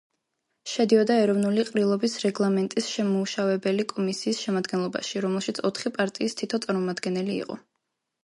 შედიოდა ეროვნული ყრილობის რეგლამენტის შემმუშავებელი კომისიის შემადგენლობაში, რომელშიც ოთხი პარტიის თითო წარმომადგენელი იყო.